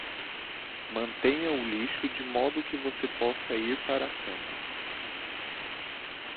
Mantenha o lixo de modo que você possa ir para a cama.